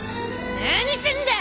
何すんだ！